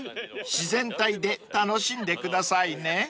自然体で楽しんでくださいね］